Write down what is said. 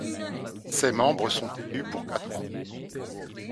Ses membres sont élus pour quatre ans.